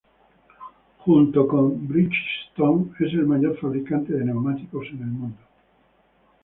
Junto con Bridgestone es el mayor fabricante de neumáticos en el mundo.